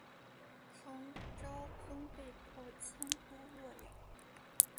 唐昭宗被迫迁都洛阳。